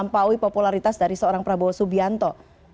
melampaui popularitas dari seorang prabowo subianto